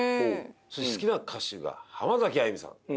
好きな歌手が浜崎あゆみさん